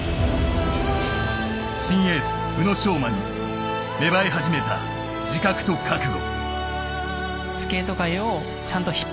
新エース・宇野昌磨に芽生え始めた自覚と覚悟。